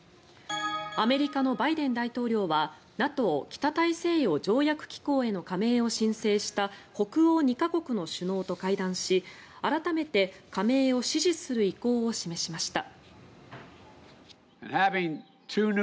アメリカのバイデン大統領はＮＡＴＯ・北大西洋条約機構への加盟を申請した北欧２か国の首脳と会談し改めて加盟を支持する意向を示しました。